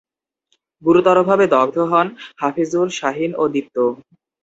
গুরুতরভাবে দগ্ধ হন হাফিজুর, শাহীন ও দীপ্ত।